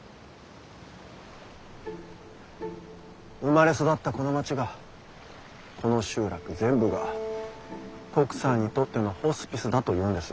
生まれ育ったこの町がこの集落全部がトクさんにとってのホスピスだというんです。